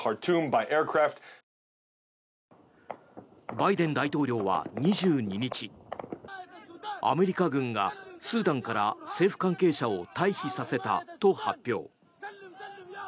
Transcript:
バイデン大統領は２２日アメリカ軍がスーダンから政府関係者を退避させたと発表。